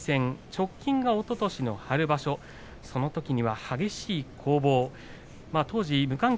直近はおととしの春場所でそのときには、激しい攻防。